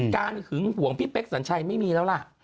หึงห่วงพี่เป๊กสัญชัยไม่มีแล้วล่ะ